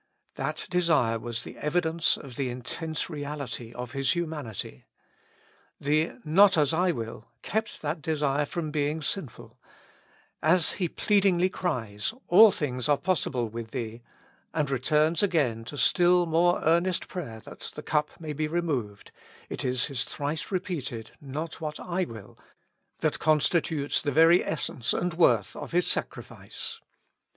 That desire was the evi dence of the intense reality of His humanity. The " Not as I will " kept that desire from being sinful : as He pleadingly cries, *' All things are possible with Thee," and returns again to still more earnest prayer that the cup may be removed, it is His thrice repeated *' Not what I will " that constitutes the very essence and worth of His sacrifice.